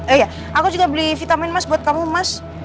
iya aku juga beli vitamin mas buat kamu mas